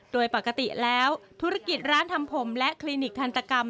โดยปกติแล้วธุรกิจร้านทำผมและคลินิกทันตกรรม